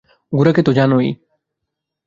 গোরাকে তো জানই।